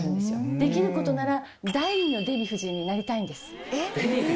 できる事なら第２のデヴィ夫人になりたいんです。